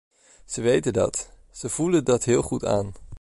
Ze weten dat, ze voelen dat heel goed aan.